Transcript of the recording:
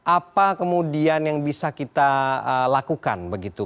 apa kemudian yang bisa kita lakukan begitu